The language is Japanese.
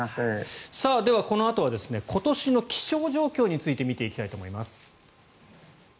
では、このあとは今年の気象状況について見ていきたいと思います。